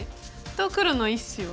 と黒の１子を。